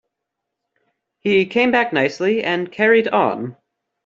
He came back nicely and carried on.